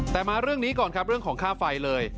แต่มาเรื่องนี้ก่อนครับเรื่องของค่าไฟเลย